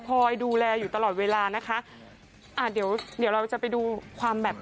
คอยดูแลอยู่ตลอดเวลานะคะ